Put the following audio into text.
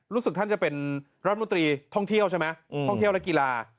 รู้สึกท่านจะเป็นรัฐมนตรีท่องเที่ยวใช่ไหมท่องเที่ยวและกีฬา